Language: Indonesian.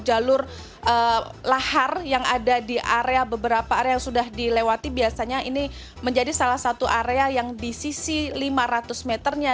jalur lahar yang ada di area beberapa area yang sudah dilewati biasanya ini menjadi salah satu area yang di sisi lima ratus meternya